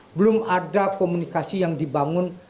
kebetulan kita harus berkomunikasi dengan kandidat manapun